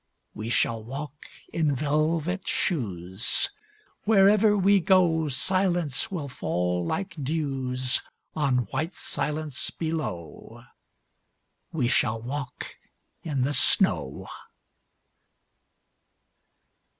We shall walk in velvet shoes: Wherever we go Silence will fall like dews On white silence below. We shall walk in the snow.